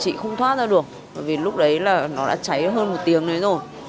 chị không thoát ra được bởi vì lúc đấy là nó đã cháy hơn một tiếng nữa rồi